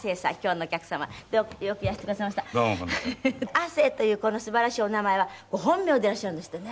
亜星というこの素晴らしいお名前はご本名でいらっしゃるんですってね。